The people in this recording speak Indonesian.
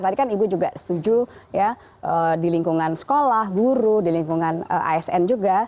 tadi kan ibu juga setuju ya di lingkungan sekolah guru di lingkungan asn juga